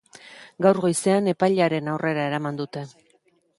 Gaur goizean epailearen aurrera eraman dute.